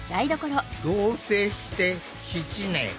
同せいして７年。